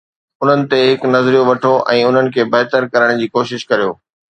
انهن تي هڪ نظر وٺو ۽ انهن کي بهتر ڪرڻ جي ڪوشش ڪريو.